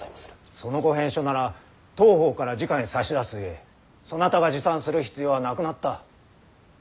そのご返書なら当方からじかに差し出すゆえそなたが持参する必要はなくなった。